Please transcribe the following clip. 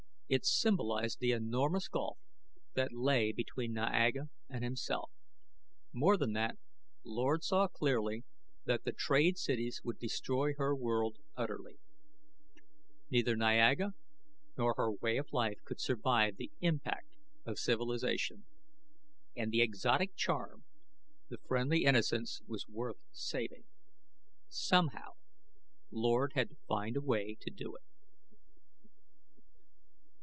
It symbolized the enormous gulf that lay between Niaga and himself. More than that, Lord saw clearly that the trade cities would destroy her world utterly. Neither Niaga nor her way of life could survive the impact of civilization. And the exotic charm, the friendly innocence was worth saving. Somehow Lord had to find a way to do it.